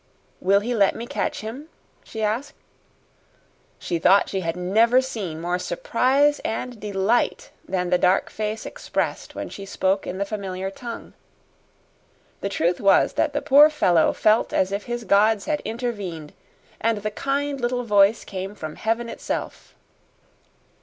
"Will he let me catch him?" she asked. She thought she had never seen more surprise and delight than the dark face expressed when she spoke in the familiar tongue. The truth was that the poor fellow felt as if his gods had intervened, and the kind little voice came from heaven itself.